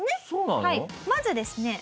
まずですね